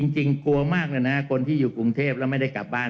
จริงกลัวมากเลยนะคนที่อยู่กรุงเทพแล้วไม่ได้กลับบ้าน